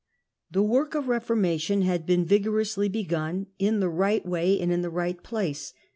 The work of reformation had been vigorously begun, in the right way and in the right place.